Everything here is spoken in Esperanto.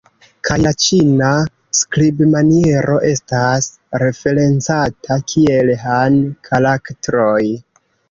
Kaj la Ĉina skribmaniero estas referencata kiel "Han karaktroj".